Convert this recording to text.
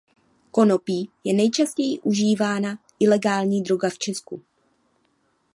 Konopí je nejčastěji užívaná ilegální droga v Česku.